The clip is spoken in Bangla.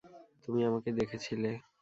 তুমি আমাকে দেখেছিলে।